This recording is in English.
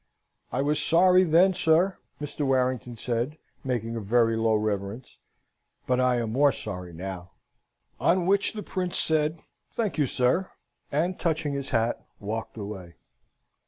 "I was sorry, then, sir," Mr. Warrington said, making a very low reverence, "but I am more sorry now." On which the Prince said, "Thank you, sir," and, touching his hat, walked away.